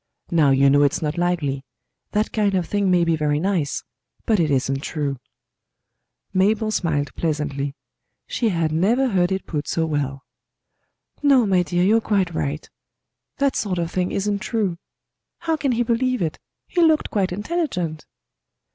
Now you know it's not likely; that kind of thing may be very nice, but it isn't true." Mabel smiled pleasantly. She had never heard it put so well. "No, my dear, you're quite right. That sort of thing isn't true. How can he believe it? He looked quite intelligent!"